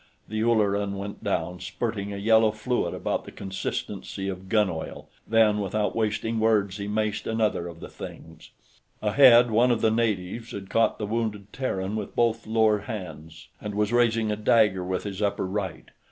The Ulleran went down, spurting a yellow fluid about the consistency of gun oil. Then, without wasting words, he maced another of the things. Ahead, one of the natives had caught the wounded Terran with both lower hands, and was raising a dagger with his upper right.